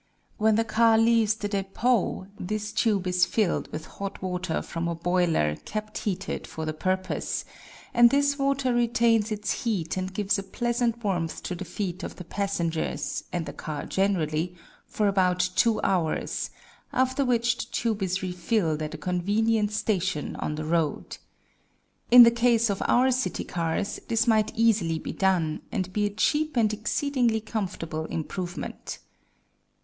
When the car leaves the depot this tube is filled with hot water from a boiler kept heated for the purpose, and this water retains its heat and gives a pleasant warmth to the feet of the passengers and the car generally, for about two hours, after which the tube is refilled at a convenient station on the road. In the case of our city cars this might easily be done, and be a cheap and exceedingly comfortable improvement."